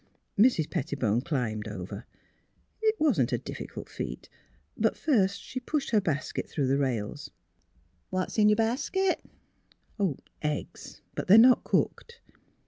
'' Mrs. Pettibone climbed over; it was not a diffi cult feat. But first she pushed her basket through the rails. " What is in your basket? "" Eggs, but they are not cooked."